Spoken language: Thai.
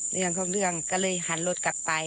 เรื่องของเรื่องก็เลยหันรถกลับไป